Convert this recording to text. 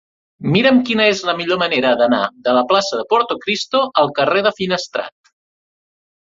Mira'm quina és la millor manera d'anar de la plaça de Portocristo al carrer de Finestrat.